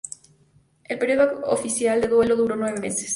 El período oficial de duelo duró nueve meses.